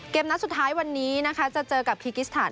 เกมนัดสุดท้ายวันนี้จะเจอกับคีกิสตาน